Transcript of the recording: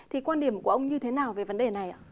thì quan điểm của ông như thế nào về vấn đề này ạ